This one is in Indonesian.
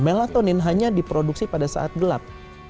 melatonin hanya diproduksi pada saat gelap